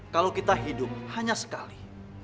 kalau kita hidup hanya sekali